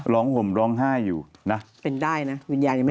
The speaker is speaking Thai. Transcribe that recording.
ร้องห่มร้องไห้อยู่